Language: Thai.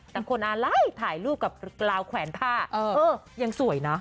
บางคนอะไรถ่ายรูปกับราวแขวนผ้าเออยังสวยนะ